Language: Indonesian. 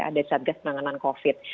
ada satgas penanganan covid